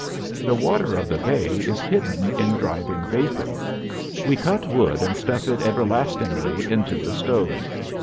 The water of the bay is hidden in driving vapor. We cut wood and stuff it everlastingly into the stove.